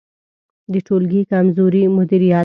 د ټولګي کمزوری مدیریت